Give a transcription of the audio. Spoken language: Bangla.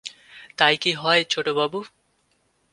তাই কি হয় ছোটবাবু?